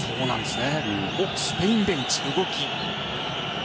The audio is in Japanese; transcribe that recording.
スペインベンチ、動き。